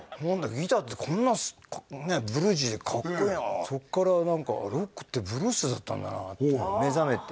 ギターってこんなねブルージーでかっこいいなそっから何かロックってブルースだったんだなって目覚めて